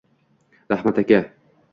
Rahmat aka.